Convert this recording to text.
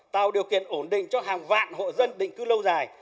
tạo điều kiện ổn định cho hàng vạn hộ dân định cư lâu dài